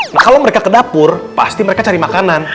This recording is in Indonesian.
nah kalau mereka ke dapur pasti mereka cari makanan